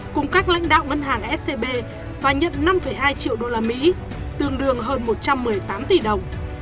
cùng các lãnh đạo ngân hàng scb và nhận năm hai triệu usd tương đương hơn một trăm một mươi tám tỷ đồng